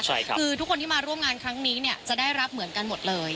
คือทุกคนที่มาร่วมงานครั้งนี้เนี่ยจะได้รับเหมือนกันหมดเลย